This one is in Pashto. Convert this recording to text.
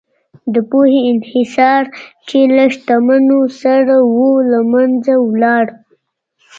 د پوهې انحصار چې له شتمنو سره و، له منځه لاړ.